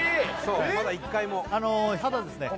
まだ１回もあのただですね